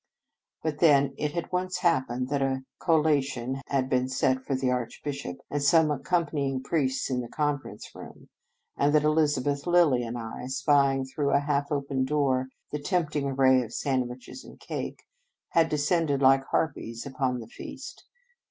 But then, it had once happened that a col lation had been set for the Archbishop and some accompanying priests in the conference room, and that Eliza beth, Lilly, and I, spying through a half open door the tempting array of sandwiches and cake, had descended like Harpies upon the feast.